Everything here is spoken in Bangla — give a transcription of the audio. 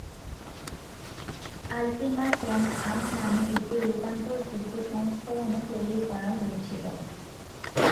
আল্টিমা ক্যান-আম নামে একটি রূপান্তরযোগ্য সংস্করণও তৈরি করা হয়েছিল।